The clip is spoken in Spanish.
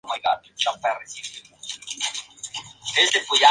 Es de color pardo rojizo.